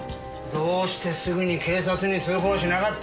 どうしてすぐに警察に通報しなかったの？